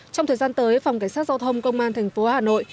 trong thời gian tới phòng cảnh sát giao thông công an tp hà nội